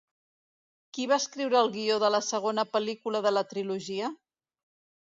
Qui va escriure el guió de la segona pel·lícula de la trilogia?